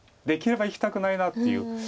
できればいきたくないなっていう。